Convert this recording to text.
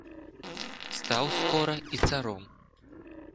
Стаў скора і царом.